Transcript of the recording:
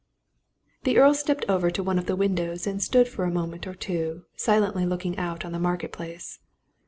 The Earl stepped over to one of the windows, and stood for a moment or two silently looking out on the Market Place.